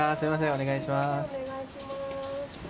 お願いします。